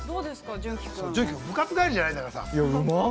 ◆純喜君、部活帰りじゃないんだからさ。